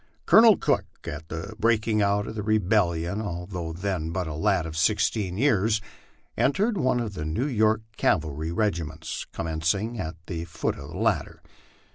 Colonel Cook, at the breaking out of the rebellion, although then but a lad of sixteen years, entered one of the New York cavalry regiments, commencing at the foot of the ladder.